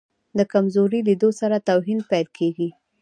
د کمزوري لیدلو سره توهین پیل کېږي.